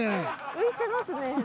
浮いてますね。